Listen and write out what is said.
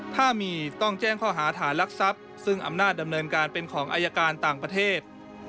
ถ้ามีต้องแจ้งข้อหาฐานรักทรัพย์ซึ่งอำนาจดำเนินการเป็นของอายการต่างประเทศ